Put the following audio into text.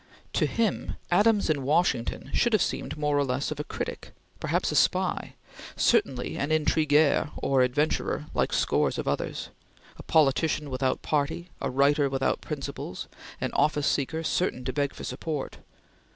To him, Adams in Washington should have seemed more or less of a critic, perhaps a spy, certainly an intriguer or adventurer, like scores of others; a politician without party; a writer without principles; an office seeker certain to beg for support.